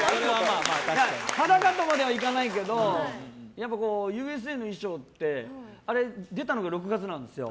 裸とまではいかないけどやっぱ「Ｕ．Ｓ．Ａ．」の衣装って出たのが６月なんですよ。